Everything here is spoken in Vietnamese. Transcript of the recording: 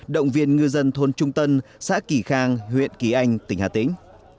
động viên ngư dân thôn trung tân xã kỳ khang huyện kỳ anh tỉnh hà tĩnh